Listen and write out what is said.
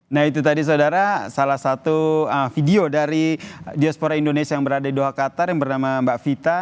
nah itu tadi saudara salah satu video dari diaspora indonesia yang berada di dua qatar yang bernama mbak vita